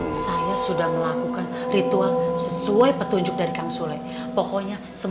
iya nantinya ber grup kalau universitas ada kontraph chamot tapes